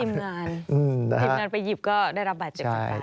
ทีมงานไปหยิบก็ได้รับบาทเจ็บข้างใกล้